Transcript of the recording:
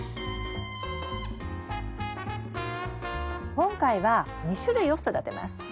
今回は２種類を育てます。